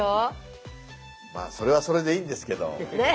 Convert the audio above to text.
まあそれはそれでいいんですけど。